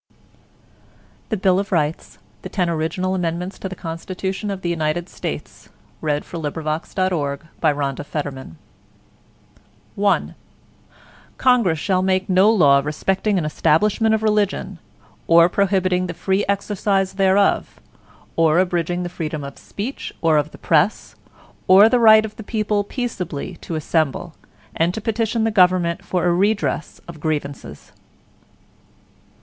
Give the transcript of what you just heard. ts. The Ten Original Amendments to the Constitution of the United States Passed by Congress September 25, 1789 Ratified December 15, 1791 I Congress shall make no law respecting an establishment of religion, or prohibiting the free exercise thereof; or abridging the freedom of speech, or of the press, or the right of the people peaceably to assemble, and to petition the Government for a redress of grievances.